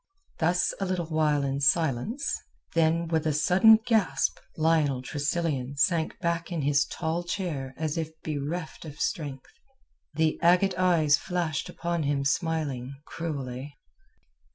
Thus a little while in silence, then with a sudden gasp Lionel Tressilian sank back in his tall chair as if bereft of strength. The agate eyes flashed upon him smiling, cruelly.